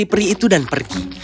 dia menemukan peri itu dan pergi